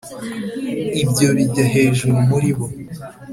Ibyo bijya hejuru muri bo